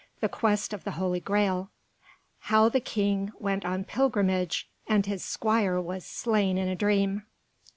THE QUEST OF THE HOLY GRAAL. I. How the King went on Pilgrimage and his Squire was slain in a Dream.